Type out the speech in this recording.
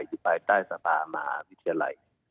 ที่ปลายไปใต้สภามหาวิทยาลัย